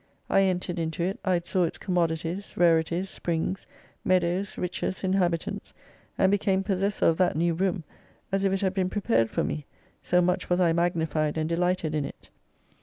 I entered into it, I saw its commodities, rarities, springs, meadows, riches, inhabitants, and became possessor of that new room, as if it had been prepared for me, so much was I magnified and delighted in it.